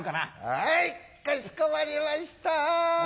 はいかしこまりました。